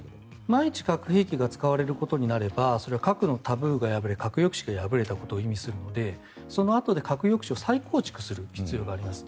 万一核が使われることになればそれは核のタブーが破れ核抑止が倒れたことを意味するのでそのあとで核抑止を再構築する必要があります。